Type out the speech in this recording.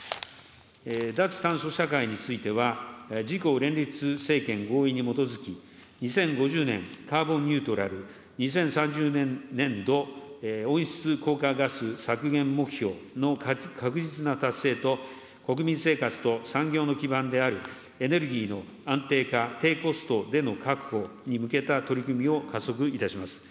脱炭素社会については、自公連立政権合意に基づき、２０５０年カーボンニュートラル、２０３０年度温室効果ガス削減目標の確実な達成と、国民生活と産業の基盤であるエネルギーの安定化低コストでの確保に向けた取り組みを加速いたします。